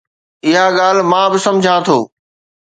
اها ڳالهه مان به سمجهان ٿو.